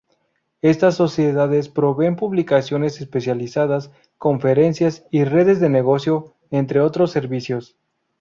Estas sociedades proveen publicaciones especializadas, conferencias y redes de negocio, entre otros servicios.